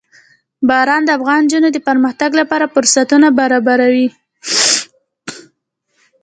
باران د افغان نجونو د پرمختګ لپاره فرصتونه برابروي.